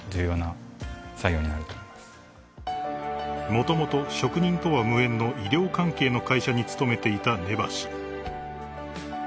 ［もともと職人とは無縁の医療関係の会社に勤めていた根橋］